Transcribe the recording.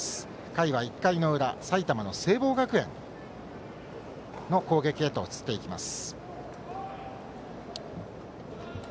回は１回の裏埼玉の聖望学園の攻撃へと移っていきます。